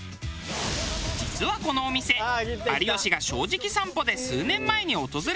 実はこのお店有吉が『正直さんぽ』で数年前に訪れているが。